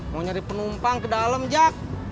mau nyari penumpang ke dalam jak